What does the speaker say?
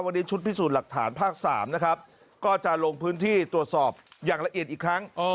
วันนี้ชุดพิสูจน์หลักฐานภาค๓นะครับก็จะลงพื้นที่ตรวจสอบอย่างละเอียดอีกครั้ง